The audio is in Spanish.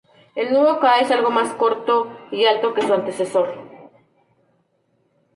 El nuevo Ka es algo más corto y alto que su antecesor.